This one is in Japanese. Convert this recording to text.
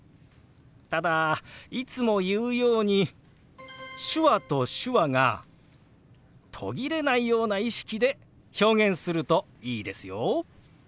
ただいつも言うように手話と手話が途切れないような意識で表現するといいですよ。